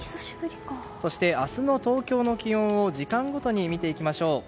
そして明日の東京の気温を時間ごとに見ていきましょう。